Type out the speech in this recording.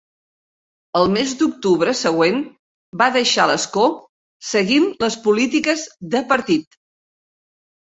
El mes d'octubre següent va deixar l'escó seguint les polítiques de partit.